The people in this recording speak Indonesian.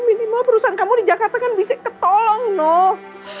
minimal perusahaan kamu di jakarta kan bisa ketolong nok